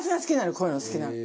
こういうの好きなの。